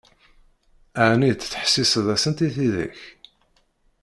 Ɛni tettḥessiseḍ-asent i tidak?